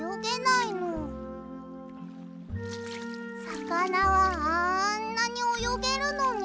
さかなはあんなにおよげるのに。